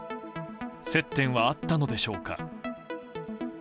接点はあったのでしょうか。